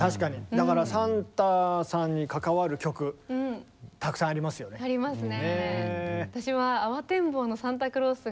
だからサンタさんに関わる曲たくさんありますよね。ありますね。